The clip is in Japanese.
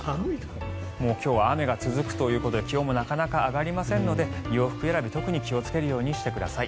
今日は雨が続くということで気温もなかなか上がりませんので洋服選び特に気をつけるようにしてください。